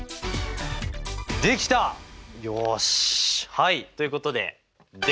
はいということでデン！